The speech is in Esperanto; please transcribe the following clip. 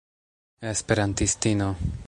esperantistino